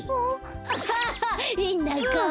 アハハへんなかお。